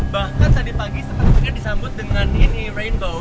bahkan tadi pagi sepertinya disambut dengan ini rainbow